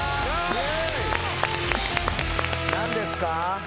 何ですか？